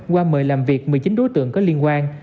qua mời làm việc một mươi chín đối tượng có liên quan